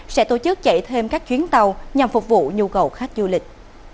sẽ tổ chức chạy thêm các chuyến tàu nhằm phục vụ nhu cầu khách du lịch